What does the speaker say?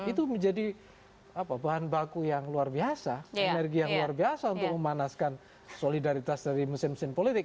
itu menjadi bahan baku yang luar biasa energi yang luar biasa untuk memanaskan solidaritas dari mesin mesin politik